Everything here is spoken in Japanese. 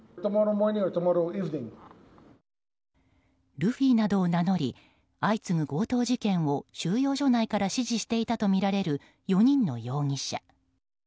ルフィなどを名乗り相次ぐ強盗事件を収容所内から指示していたとみられる４人の容疑者。